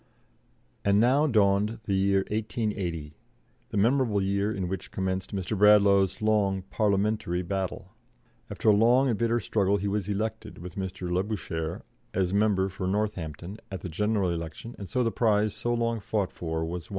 And now dawned the year 1880, the memorable year in which commenced Mr. Bradlaugh's long Parliamentary battle. After a long and bitter struggle he was elected, with Mr. Labouchere, as member for Northampton, at the general election, and so the prize so long fought for was won.